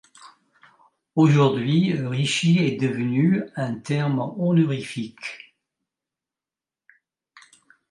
Aujourd'hui rishi est devenu un terme honorifique.